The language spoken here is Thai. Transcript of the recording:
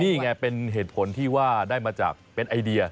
นี่ไงเป็นเหตุผลที่ว่าได้มาจากเป็นไอเดีย